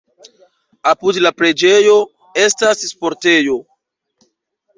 Apud la preĝejo estas sportejo.